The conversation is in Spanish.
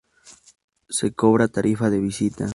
Se cobra tarifa de visita.